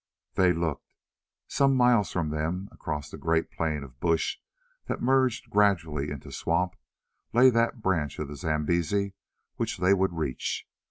They looked. Some miles from them, across the great plain of bush that merged gradually into swamp, lay that branch of the Zambesi which they would reach.